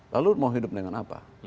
lalu mau hidup dengan apa